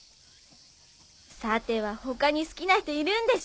さては他に好きな人いるんでしょ。